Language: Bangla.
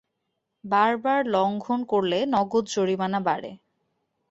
বারবার লঙ্ঘন করলে নগদ জরিমানা বাড়ে।